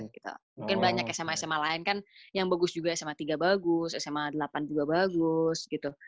mungkin banyak sma sma lain kan yang bagus juga sma tiga bagus sma delapan juga bagus gitu